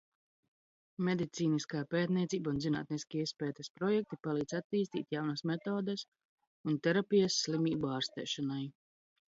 Medicīniskā pētniecība un zinātniskie izpētes projekti palīdz attīstīt jaunas metodes un terapijas slimību ārstēšanai.